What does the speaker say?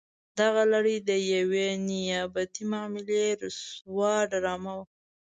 دغه لړۍ د یوې نیابتي معاملې رسوا ډرامه وه.